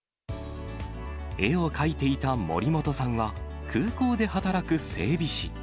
絵を描いていた森本さんは、空港で働く整備士。